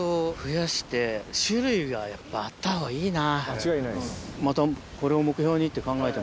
間違いないです。